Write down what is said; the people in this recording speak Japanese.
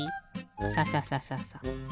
サササササ。